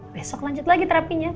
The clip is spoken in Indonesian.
besok lanjut lagi terapinya